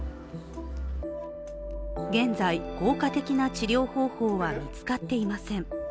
現在、効果的な治療方法は見つかっていません。